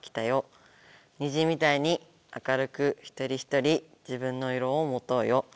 虹みたいに明るく一人一人自分の色を持とうよ」。